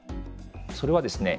それはですね